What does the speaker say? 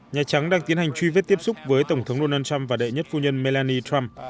nhà trắng đang tiến hành truy vết tiếp xúc với tổng thống donald trump và đệ nhất phu nhân melanie trump